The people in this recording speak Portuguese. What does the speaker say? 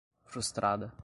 frustrada